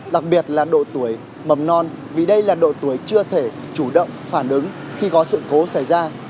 đặc biệt là độ tuổi mầm non vì đây là độ tuổi chưa thể chủ động phản ứng khi có sự cố xảy ra